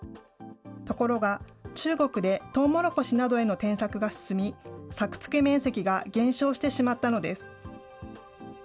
ところが、中国でとうもろこしなどへの転作が進み、作付面積が減少してしまったのです。